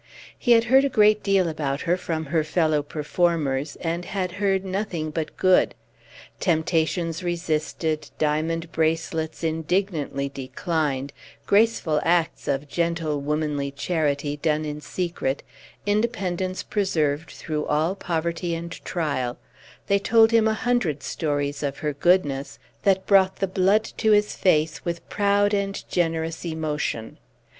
He had heard a great deal about her from her fellow performers, and had heard nothing but good. Temptations resisted; diamond bracelets indignantly declined; graceful acts of gentle womanly charity done in secret; independence preserved through all poverty and trial they told him a hundred stories of her goodness, that brought the blood to his face with proud and generous emotion.